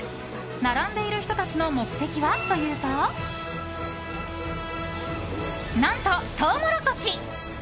並んでいる人たちの目的はというと何と、トウモロコシ。